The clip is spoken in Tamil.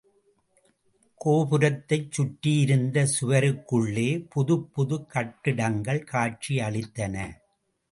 கோபுரத்தைச் சுற்றியிருந்த சுவருக்குள்ளே புதுப்புதுக் கட்டிடங்கள் காட்சியளித்தன.